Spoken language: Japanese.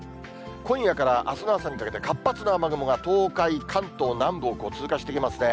今夜からあすの朝にかけて活発な雨雲が東海、関東南部を通過していきますね。